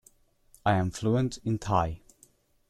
I am fluent in Thai.